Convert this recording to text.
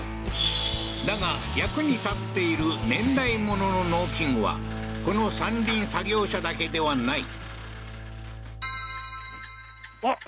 だが役に立っている年代物の農機具はこの山林作業車だけではないあっ